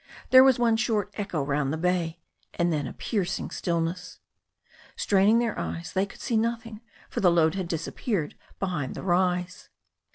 There was one short echo round the bay and then a piercing stillness. Straining their eyes, they could see nothing, for the load had disappeared behind the rise.